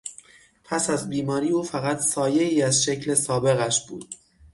پس از بیماری او فقط سایهای از شکل سابقش بود.